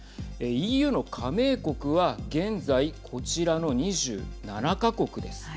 ＥＵの加盟国は現在こちらの２７か国です。